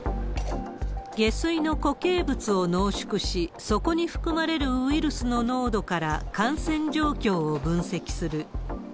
下水の固形物を濃縮し、そこに含まれるウイルスの濃度から、感染状況を分析する。